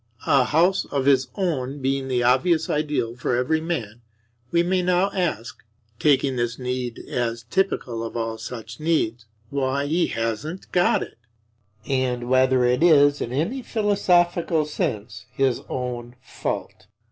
A house of his own being the obvious ideal for every man, we may now ask (taking this need as typical of all such needs) why he hasn't got it; and whether it is in any philosophical sense his own fault.